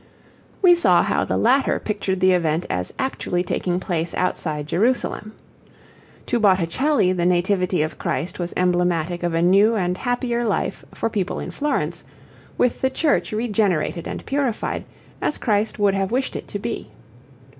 We saw how the latter pictured the event as actually taking place outside Jerusalem. To Botticelli the Nativity of Christ was emblematic of a new and happier life for people in Florence, with the Church regenerated and purified, as Christ would have wished it to be.